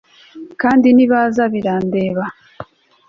kandi nibaza birandeba